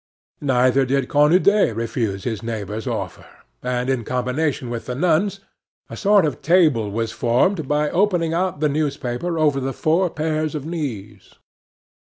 Neither did Cornudet refuse his neighbor's offer, and, in combination with the nuns, a sort of table was formed by opening out the newspaper over the four pairs of knees.